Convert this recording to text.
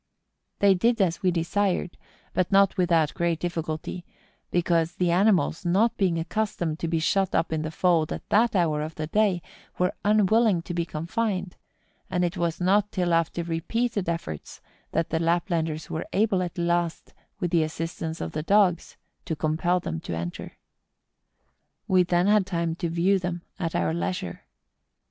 They did as we desired, but not without very great difficulty, because the animals, not being accustomed to be shut up in the fold at that hour of the day, were unwilling to be confined; and it was not till after repeated efforts that the Laplanders were able at last, with the assistance of the dogs, to compel them to enter. We then had time to view them at our leisure.